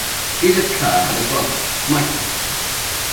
Judith Kerr had a brother, Michael.